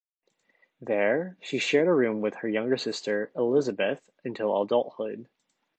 There, she shared a room with her younger sister, Elisabeth, until adulthood.